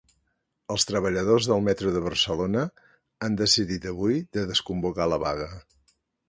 Els treballadors del metro de Barcelona han decidit avui de desconvocar la vaga.